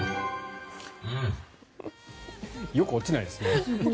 よく落ちないですね。